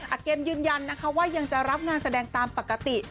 อาเกมยืนยันนะคะว่ายังจะรับงานแสดงตามปกติ